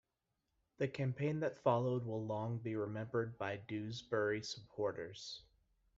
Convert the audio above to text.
The campaign that followed will long be remembered by Dewsbury supporters.